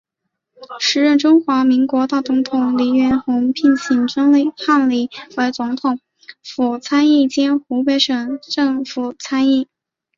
时任中华民国大总统黎元洪聘请梁钟汉为总统府参议兼湖北省政府参议。